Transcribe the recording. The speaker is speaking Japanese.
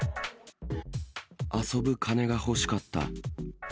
遊ぶ金が欲しかった。